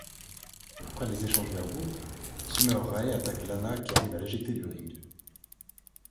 Après des échanges verbaux, Summer Rae attaque Lana qui arrive à l'éjecter du ring.